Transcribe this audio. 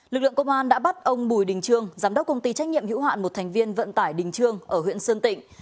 lực lượng công an đã bắt ông bùi đình trương giám đốc công ty trách nhiệm hữu hạn một thành viên vận tải đình trương ở huyện sơn tịnh